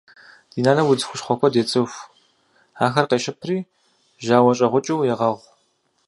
Ди нанэ удз хущхъуэ куэд ецӏыху. Ахэр къещыпри жьауэщӏэгъукӏыу егъэгъу.